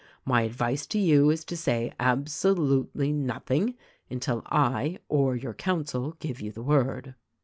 My advice to you is to say absolutely nothing until I or your counsel give you the word.'